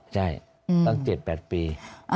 ใช่ตั้ง๗๘ปี